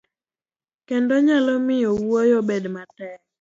kendo nyalo miyo wuoyo obed matek.